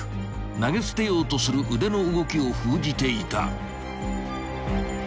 ［投げ捨てようとする腕の動きを封じていた］